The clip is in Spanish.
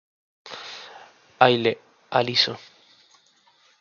Aile, aliso.